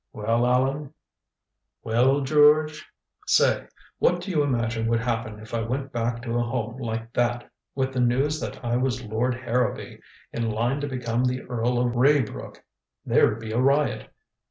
Well, Allan " "Well, George " "Say, what do you imagine would happen if I went back to a home like that with the news that I was Lord Harrowby, in line to become the Earl of Raybrook. There'd be a riot.